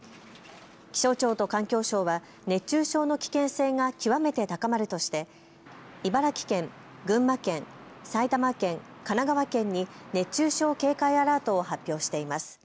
気象庁と環境省は熱中症の危険性が極めて高まるとして茨城県、群馬県、埼玉県、神奈川県に熱中症警戒アラートを発表しています。